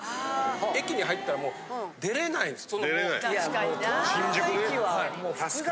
駅に入ったらもう出れないんです。